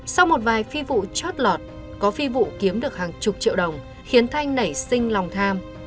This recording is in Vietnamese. sau một vài phi vụ chót lọt có phi vụ kiếm được hàng chục triệu đồng khiến thanh nảy sinh lòng tham